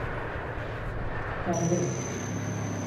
Kendim…